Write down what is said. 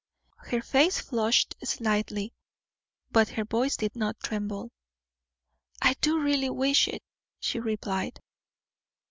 Her face flushed slightly, but her voice did not tremble. "I do really wish it," she replied.